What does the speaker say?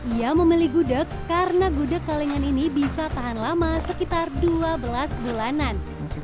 ia memilih gudeg karena gudeg kalengan ini bisa tahan lama sekitar dua belas bulanan